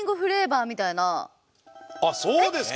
あっそうですか！